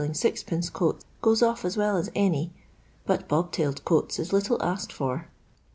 coat goes off as well as any, but bob tailed coats is little asked for.